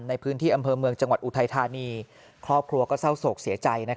ในพื้นที่อำเภอเมืองจังหวัดอุทัยธานี